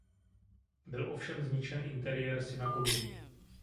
Byl ovšem zničen interiér synagogy.